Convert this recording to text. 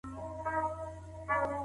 ځوابونه بايد په کتابونو کي ولټول سي.